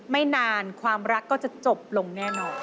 ไม่นานความรักก็จะจบลงแน่นอน